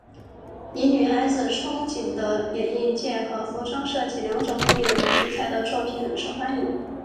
以女孩子憧憬的演艺界和服装设计两种行业为题材的作品很受欢迎。